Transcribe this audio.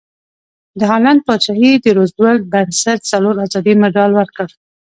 د هالنډ پادشاهي د روزولټ بنسټ څلور ازادۍ مډال ورکړ.